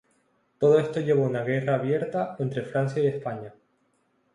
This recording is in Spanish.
Todo esto llevó a una guerra abierta entre Francia y España.